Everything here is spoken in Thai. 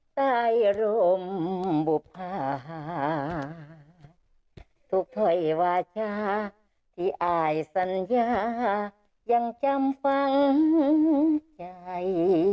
ทุกท่อยวาชาที่อายสัญญายังจำฟังใจ